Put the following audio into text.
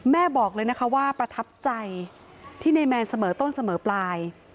บอกเลยนะคะว่าประทับใจที่นายแมนเสมอต้นเสมอปลาย